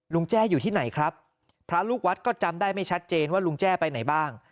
แจ้อยู่ที่ไหนครับพระลูกวัดก็จำได้ไม่ชัดเจนว่าลุงแจ้ไปไหนบ้าง